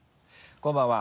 こんばんは。